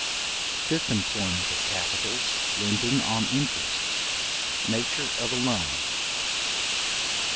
Fifth employment of capitals, lending on interest; nature of a loan.